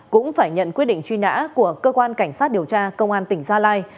cũng phải nhận quyết định truy nã của cơ quan cảnh sát điều tra công an tỉnh gia lai